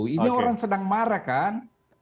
ini orang sedang marah kan